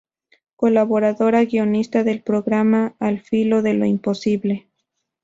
Colaboradora guionista del programa "Al filo de lo imposible".